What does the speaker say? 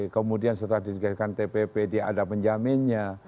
kemudian setelah disediakan tpp dia ada penjaminnya